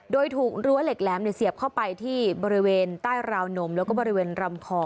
โดยถูกรั้วเหล็กแหลมเสียบเข้าไปที่บริเวณใต้ราวนมแล้วก็บริเวณลำคอ